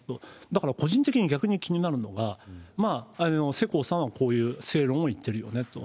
だから個人的に、逆に気になるのは、まあ、世耕さんはこういう正論を言ってるよねと。